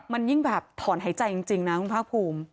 มันยิ่งแบบถอนหายใจจริงนะคุณภาคภูมิ